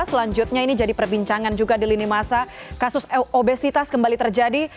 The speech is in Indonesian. selanjutnya ini jadi perbincangan juga di lini masa kasus obesitas kembali terjadi